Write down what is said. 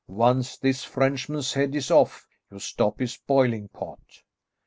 Once this Frenchman's head is off, you stop his boiling pot."